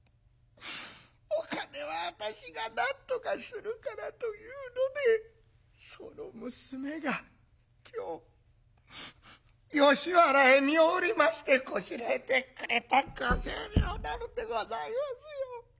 お金は私がなんとかするから』というのでその娘が今日吉原へ身を売りましてこしらえてくれた５０両なのでございますよ。